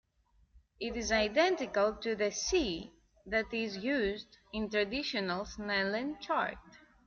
It is identical to the "C" that is used in the traditional Snellen chart.